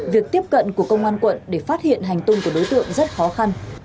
việc tiếp cận của công an quận để phát hiện hành tung của đối tượng rất khó khăn